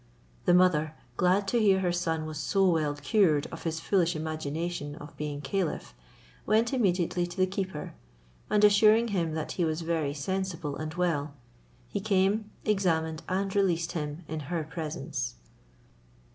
The mother, glad to hear her son was so well cured of his foolish imagination of being caliph, went immediately to the keeper, and assuring him that he was very sensible and well, he came, examined, and released him in her presence.